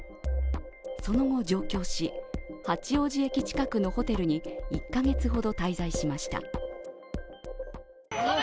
その後上京し、八王子駅近くのホテルに１カ月ほど滞在しました。